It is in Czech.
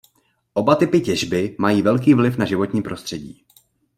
Oba typy těžby mají velký vliv na životní prostředí.